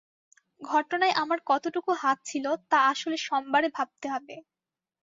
ঘটনায় আমার কতোটুকু হাত ছিল তা আসলে সোমবারে ভাবতে হবে।